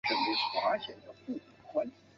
圣拉斐尔还拥有四处海水浴场。